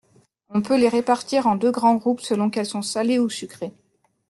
On peut les répartir en deux grands groupes selon qu'elles sont salées ou sucrées.